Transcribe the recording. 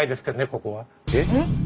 ここは。えっ？